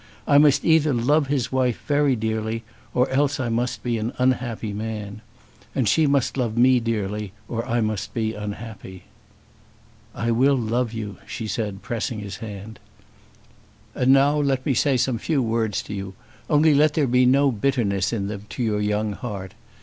I must either love his wife very dearly, or else I must be an unhappy man. And she must love me dearly, or I must be unhappy." "I will love you," she said, pressing his hand. "And now let me say some few words to you, only let there be no bitterness in them to your young heart.